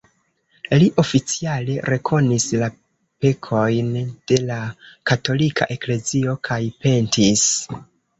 Li oficiale rekonis la pekojn de la Katolika Eklezio kaj pentis.